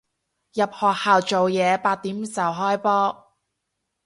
入學校做嘢，八點就開波